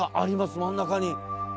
真ん中に。